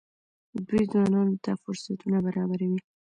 دوی ځوانانو ته فرصتونه برابروي.